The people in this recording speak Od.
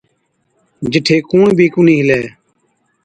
جِٺي ڪُوڻ بِي ڪونهِي هِلَي۔